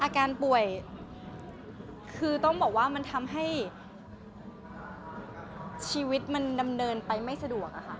อาการป่วยคือต้องบอกว่ามันทำให้ชีวิตมันดำเนินไปไม่สะดวกอะค่ะ